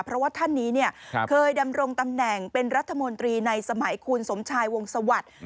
เพราะว่าท่านนี้เคยดำรงตำแหน่งเป็นรัฐมนตรีในสมัยคุณสมชายวงสวัสดิ์